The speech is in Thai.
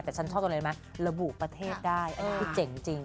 แต่ฉันชอบตอนเล่นมั้ยระบุประเทศได้อันนี้จริงจริง